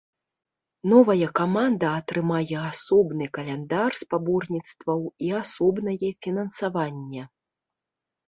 Новая каманда атрымае асобны каляндар спаборніцтваў і асобнае фінансаванне.